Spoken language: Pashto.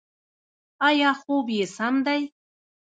ایا خوب یې سم دی؟